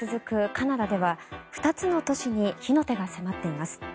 カナダでは２つの都市に火の手が迫っています。